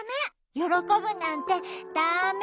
よろこぶなんてダメ！